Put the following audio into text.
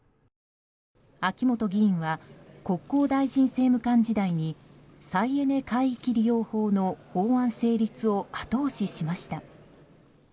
秋本議員は国交大臣政務官時代に再エネ海域利用法の法案成立を後押ししました。